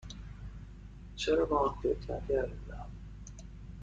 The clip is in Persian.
چرا به آن فکر نکردم؟